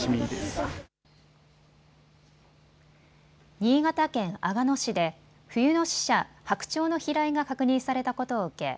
新潟県阿賀野市で冬の使者、白鳥の飛来が確認されたことを受け